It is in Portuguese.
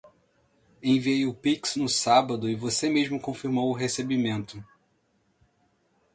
Enviei o pix no sábado e você mesmo confirmou o recebimento.